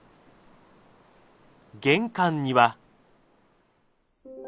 玄関には。